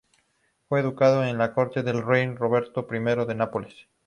Fue educado en la corte del rey Roberto I de Nápoles.